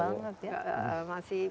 masih murah banget ya